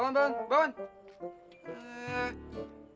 bangun bangun bangun